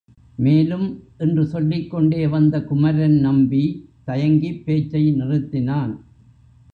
மேலும்... என்று சொல்லிக் கொண்டே வந்த குமரன் நம்பி தயங்கிப் பேச்சை நிறுத்தினான்.